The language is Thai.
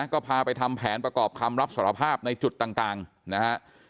ก็พาไปทำแผนประกอบคำรับสารภาพในจุดต่างนะฮะ